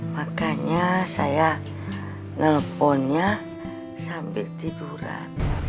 makanya saya nelponnya sambil tiduran